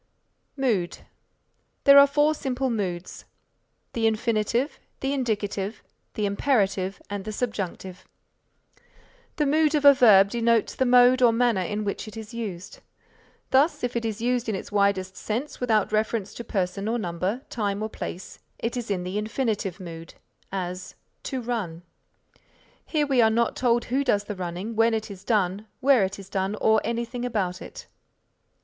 MOOD There are four simple moods, the Infinitive, the Indicative, the Imperative and the Subjunctive. The Mood of a verb denotes the mode or manner in which it is used. Thus if it is used in its widest sense without reference to person or number, time or place, it is in the Infinitive Mood; as "To run." Here we are not told who does the running, when it is done, where it is done or anything about it.